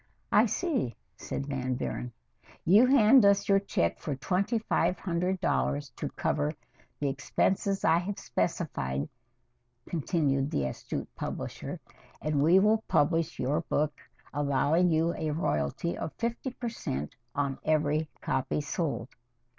"I see," said Van Buren. "You hand us your check for twenty five hundred dollars to cover the expenses I have specified," continued the astute publisher, "and we will publish your book, allowing you a royalty of fifty per cent on every copy sold."